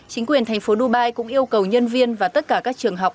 chính quyền thành phố dubai cũng yêu cầu nhân viên và tất cả các trường học